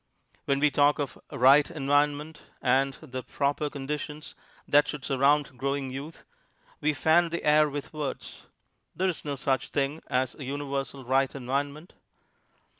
When we talk of "right environment" and the "proper conditions" that should surround growing youth, we fan the air with words there is no such thing as a universal right environment.